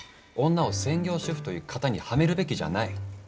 女を「専業主婦」という型にはめるべきじゃない。